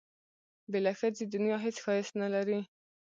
بې له ښځې دنیا هېڅ ښایست نه لري.